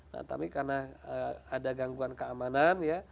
nah tapi karena ada gangguan keamanan ya